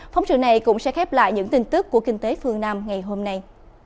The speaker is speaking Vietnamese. phóng sự này cũng sẽ khép lại những tin tức của kinh tế phương nam ngày hôm nay